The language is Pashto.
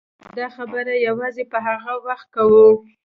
دا خبره یوازې په هغه وخت کوو.